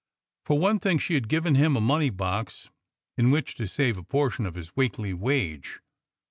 For one thing, she had given him a money box in which to save a portion of his weekly wage.